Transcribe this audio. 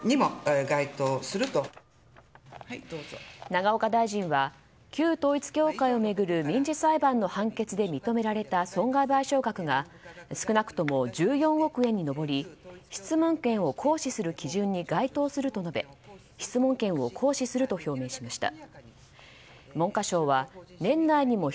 永岡大臣は、旧統一教会を巡る民事裁判の判決で認められた損害賠償額が少なくとも１４億円に上り質問権を行使する基準に該当すると述べ質問権を行使すると表明しました。